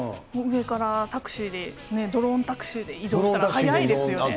上からタクシーでね、ドローンタクシーで移動したら早いですよね。